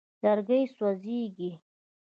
لرګي سوځېږي.